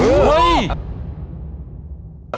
เฮ้ย